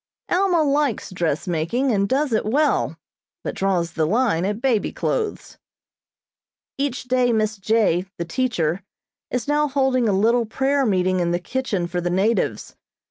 Alma likes dressmaking, and does it well, but draws the line at baby clothes. Each day Miss J., the teacher, is now holding a little prayer meeting in the kitchen for the natives.